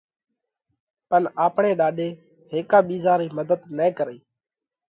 پڻ آپڻي ڏاڏي هيڪا ٻِيزا رئي مڌت نہ ڪرئي،